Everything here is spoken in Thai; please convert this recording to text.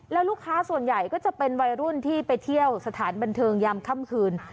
แล้วลูกค้าส่วนใหญ่ก็จะเป็นวัยรุ่นที่ไปเที่ยวสถานบันเทิงยามค่ำคืน